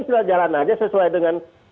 itulah jalan aja sesuai dengan